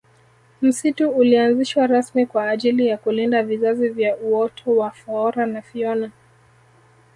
msitu ulianzishwa rasmi kwa ajili ya kulinda vizazi vya uoto wa foora na fiona